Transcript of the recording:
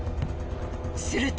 すると。